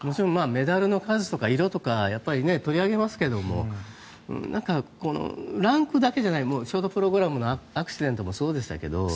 メダルの数とか色とか取り上げますけどもランクだけじゃないショートプログラムのアクシデントもそうでしたけど。